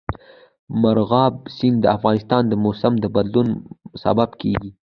مورغاب سیند د افغانستان د موسم د بدلون سبب کېږي.